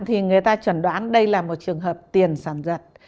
thì người ta chuẩn đoán đây là một trường hợp tiền sản giật